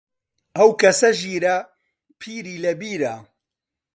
ئەو کەسە ژیرە، پیری لە بیرە